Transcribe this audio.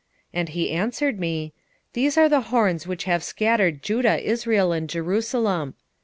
And he answered me, These are the horns which have scattered Judah, Israel, and Jerusalem.